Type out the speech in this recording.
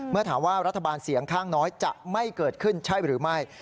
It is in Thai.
เมื่อถามว่ารัฐบาลเสียงข้างน้อยจะไม่เกิดขึ้นใช่หรือไม่